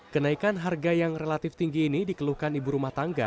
kenaikan harga yang relatif tinggi ini dikeluhkan ibu rumah tangga